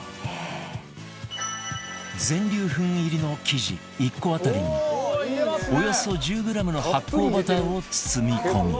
全粒粉入りの生地１個あたりにおよそ１０グラムの発酵バターを包み込み